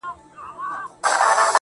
وه ه ژوند به يې تياره نه وي,